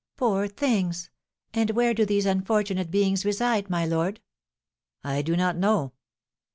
"Poor things! And where do these unfortunate beings reside, my lord?" "I do not know."